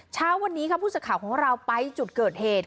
เช้าวันนี้ค่ะผู้สื่อข่าวของเราไปจุดเกิดเหตุ